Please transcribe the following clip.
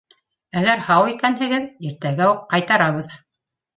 Әгәр һау икәнһегеҙ — иртәгә үк ҡайтарабыҙ.